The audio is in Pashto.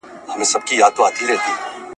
افغانستان د نړیوالو شریکانو سره همږغي نه ساتي.